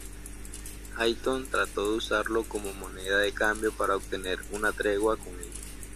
Haitón trató de usarlo como moneda de cambio para obtener una tregua con ellos.